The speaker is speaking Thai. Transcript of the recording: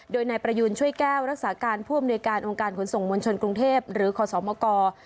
โดยนายประยูนช่วยแก้วรักษาการผู้อำนวยการองค์การขนส่งมวลชนกรุงเทพหรือขอสมก